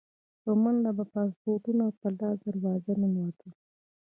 په منډه به پاسپورټونه په لاس دروازه ننوتل.